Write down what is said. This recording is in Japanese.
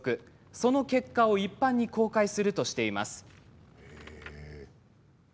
その結果を一般に公開するとしています。